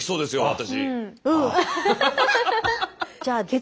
私。